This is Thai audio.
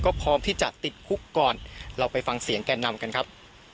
ก็พร้อมที่จะติดคุกก่อนเราไปฟังเสียงแก่นำกันครับ